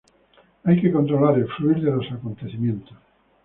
Hay que controlar el fluir de los acontecimientos